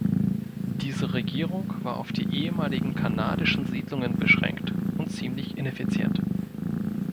Diese Regierung war auf die ehemaligen kanadischen Siedlungen beschränkt und ziemlich ineffizient.